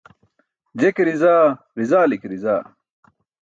Je ke rizaa, rizali ke rizaa.